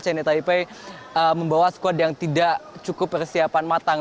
china taipei membawa squad yang tidak cukup persiapan matang